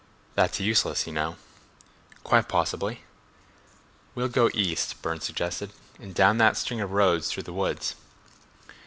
"That's useless, you know." "Quite possibly." "We'll go east," Burne suggested, "and down that string of roads through the woods."